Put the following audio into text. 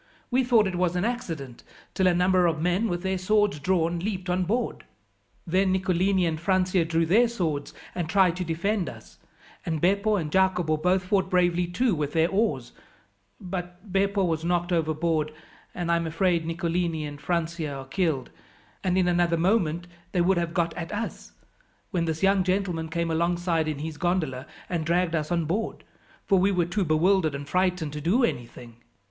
We thought it was an accident till a number of men, with their swords drawn, leaped on board. Then Nicolini and Francia drew their swords and tried to defend us, and Beppo and Jacopo both fought bravely too with their oars; but Beppo was knocked overboard, and I am afraid Nicolini and Francia are killed, and in another moment they would have got at us, when this young gentleman came alongside in his gondola, and dragged us on board, for we were too bewildered and frightened to do anything.